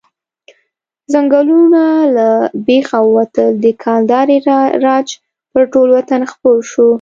ځنګلونه له بېخه ووتل، د کلدارې راج پر ټول وطن خپور شو.